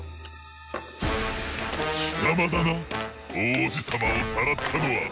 きさまだな王子様をさらったのは。